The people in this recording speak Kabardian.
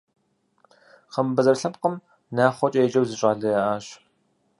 Хъымбэзэр лъэпкъым Нахъуэкӏэ еджэу зы щӏалэ яӏащ.